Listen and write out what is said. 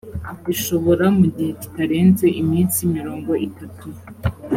ishobora mu gihe kitarenze iminsi mirongo itatu